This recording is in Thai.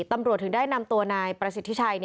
ตำรวจถึงได้นำตัวนายประสิทธิชัย